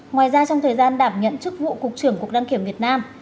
ngoài ra trong thời gian đảm nhận chức vụ cục trưởng cục đăng kiểm việt nam